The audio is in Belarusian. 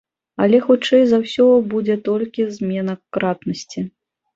Але, хутчэй за ўсё, будзе толькі змена кратнасці.